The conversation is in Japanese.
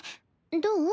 どう？